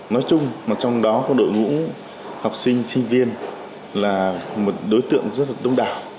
nói chung mà trong đó có đội ngũ học sinh sinh viên là một đối tượng rất là đông đảo